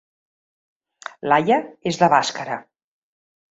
Laia és de Bàscara